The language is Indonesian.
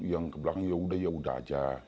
yang ke belakang yaudah yaudah aja